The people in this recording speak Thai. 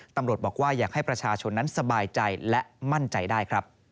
ตำรวจบอกว่าอยากให้ประชาชนนั้นสบายใจและมั่นใจได้ครับ